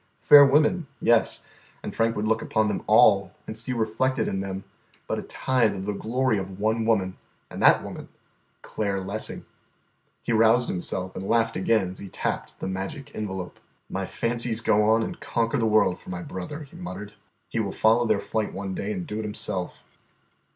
Fair women, yes, and Frank would look upon them all and see reflected in them but a tithe of the glory of one woman, and that woman Claire Lessing. He roused himself and laughed again as he tapped the magic envelope. "My fancies go on and conquer the world for my brother," he muttered. "He will follow their flight one day and do it himself."